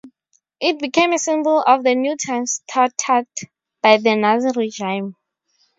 It became a symbol of the new times touted by the Nazi regime.